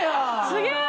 すげえ！